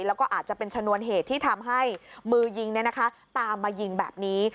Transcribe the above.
แล้วก็อาจจะเป็นชนวนเหตุที่ทำให้มือยิงตามมายิงแบบนี้